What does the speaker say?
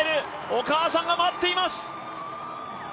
お母さんが待っています！